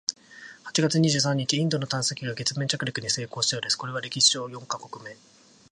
八月二十三日、インドの探査機が月面着陸に成功したそうです！（これは歴史上四カ国目！）